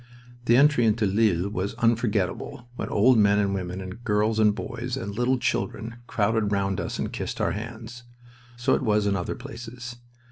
The entry into Lille was unforgetable, when old men and women and girls and boys and little children crowded round us and kissed our hands. So it was in other places.